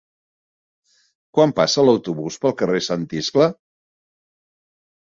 Quan passa l'autobús pel carrer Sant Iscle?